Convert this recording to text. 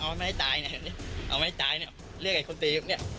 เอาให้ตายนะเรียกอะไรเขาตี